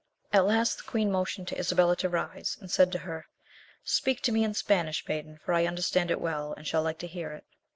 At last the queen motioned to Isabella to rise, and said to her, "Speak to me in Spanish, maiden, for I understand it well, and shall like to hear it."